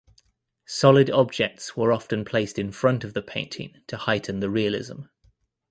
Solid objects were often placed in front of the painting to heighten the realism.